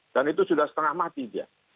dan itu sudah setengah mati dia